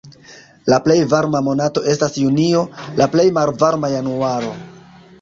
La plej varma monato estas junio, la plej malvarma januaro.